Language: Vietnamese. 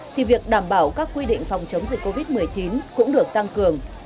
thì việc đảm bảo các quy định phòng chống dịch covid một mươi chín cũng được tăng cường